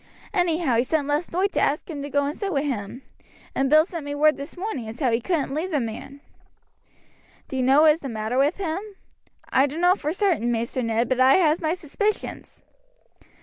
Anyhow he sent last noight to ask him to go and sit wi' him, and Bill sent me word this morning as how he couldn't leave the man." "Do you know what is the matter with him?" "I dunno for certain, Maister Ned, but I has my suspicions."